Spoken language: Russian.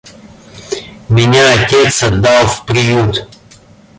Меня отец отдал в приют.